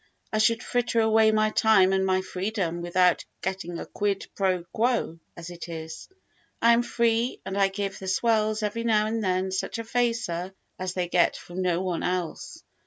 I should fritter away my time and my freedom without getting a quid pro quo: as it is, I am free and I give the swells every now and then such a facer as they get from no one else.